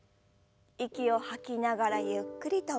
息を吐きながらゆっくりと前。